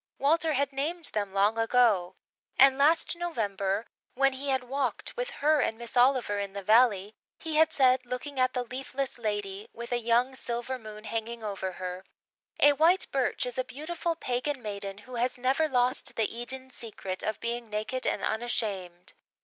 Walter had named them long ago; and last November, when he had walked with her and Miss Oliver in the Valley, he had said, looking at the leafless Lady, with a young silver moon hanging over her, "A white birch is a beautiful Pagan maiden who has never lost the Eden secret of being naked and unashamed."